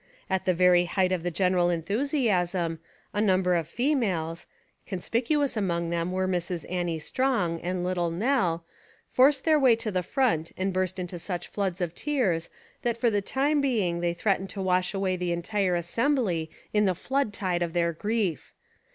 At the very height of the general enthusiasm, a num 227 Essays and Literary Studies ber of females, — conspicuous among whom were Mrs. Annie Strong, and Little Nell, — forced their way to the front and burst Into such floods of tears that for the time being they threatened to wash away the entire assembly in the flood tide of their grief.